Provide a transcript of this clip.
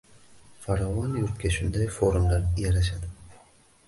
Farovon yurtga shunday forumlar yarashadi.